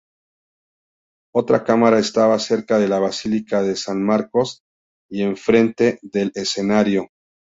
Otra cámara estaba cerca de la Basílica de San Marcos y enfrente del escenario.